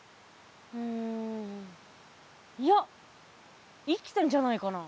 うんいや生きてんじゃないかな。